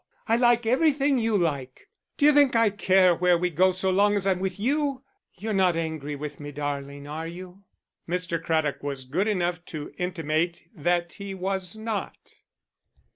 I like everything you like. D'you think I care where we go so long as I'm with you?... You're not angry with me, darling, are you?" Mr. Craddock was good enough to intimate that he was not.